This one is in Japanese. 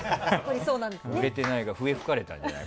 売れてないから笛吹かれたんじゃない？